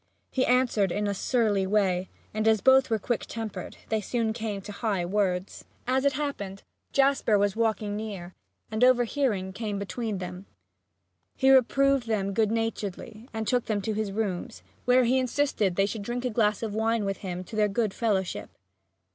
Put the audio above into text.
He answered in a surly way and, as both were quick tempered, they soon came to high words. As it happened, Jasper was walking near, and, overhearing, came between them. He reproved them good naturedly and took them to his rooms, where he insisted they should drink a glass of wine with him to their good fellowship.